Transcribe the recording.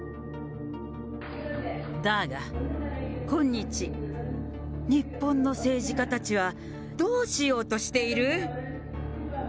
だが、今日、日本の政治家たちはどうしようとしている？